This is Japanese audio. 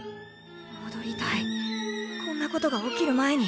もどりたいこんなことが起きる前に。